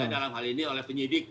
dalam hal ini oleh penyidik